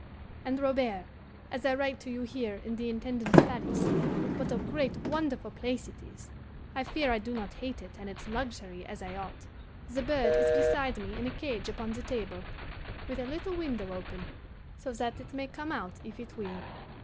"And, Robert, as I write to you here in the Intendant's palace (what a great wonderful place it is! I fear I do not hate it and its luxury as I ought!), the bird is beside me in a cage upon the table, with a little window open, so that it may come out if it will.